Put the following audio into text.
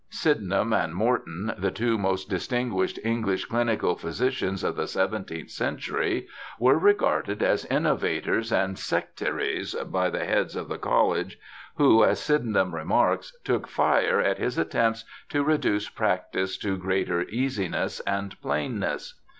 Sydenham and Morton, the two most distinguished English clinical physicians of the seventeenth century, were regarded as innovators and 'sectaries' by the heads of the College, who, as Sydenham remarks, took fire at his attempts to reduce practice to greater easiness and plainness.